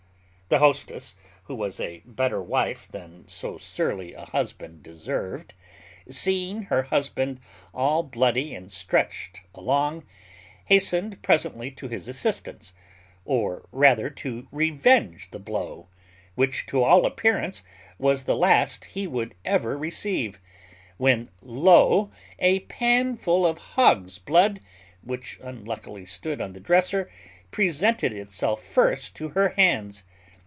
The hostess, who was a better wife than so surly a husband deserved, seeing her husband all bloody and stretched along, hastened presently to his assistance, or rather to revenge the blow, which, to all appearance, was the last he would ever receive; when, lo! a pan full of hog's blood, which unluckily stood on the dresser, presented itself first to her hands.